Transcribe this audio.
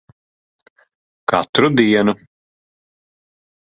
Katru dienu.